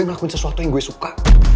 gue ngelakuin sesuatu yang gue suka